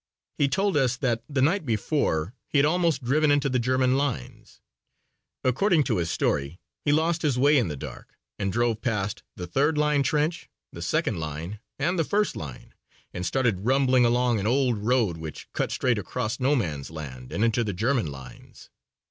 He told us that the night before he had almost driven into the German lines. According to his story, he lost his way in the dark and drove past the third line trench, the second line and the first line and started rumbling along an old road which cut straight across No Man's Land and into the German lines.